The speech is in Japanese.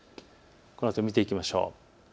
このあとを見ていきましょう。